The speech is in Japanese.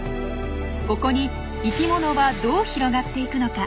ここに生きものはどう広がっていくのか？